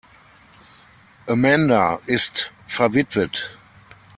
Amanda ist verwitwet.